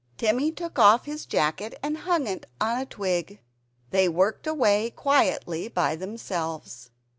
Timmy took off his jacket and hung it on a twig; they worked away quietly by themselves.